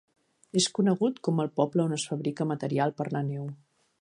És conegut com el poble on es fabrica material per la neu.